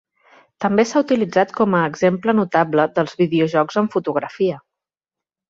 També s'ha utilitzat com a exemple notable dels videojocs amb fotografia.